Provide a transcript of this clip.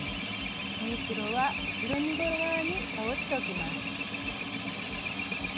縫い代は後ろ身ごろ側に倒しておきます。